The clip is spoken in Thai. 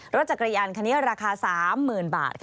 รถจักรยานคันนี้ราคา๓๐๐๐บาท